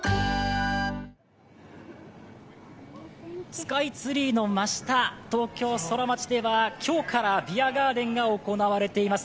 スカイツリーの真下東京・ソラマチでは今日からビアガーデンが行われています。